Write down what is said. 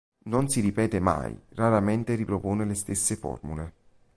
Non si ripete mai, raramente ripropone le stesse formule.